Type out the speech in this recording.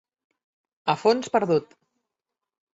A fons perdut.